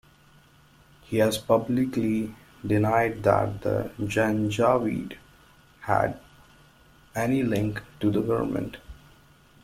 He has publicly denied that the Janjaweed had any link to the government.